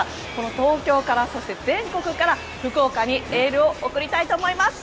東京から、そして福岡にエールを送りたいと思います。